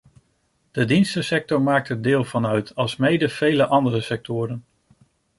De dienstensector maakt er deel van uit alsmede vele andere sectoren.